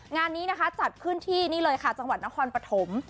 งานนี้นะคะจัดขึ้นที่นี่เลยค่ะจังหวัดนครปฐม